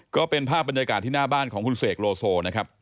ก็เป็นภาพบรรยากาศที่หน้าบ้านของคุณเสกโลโซนะครับ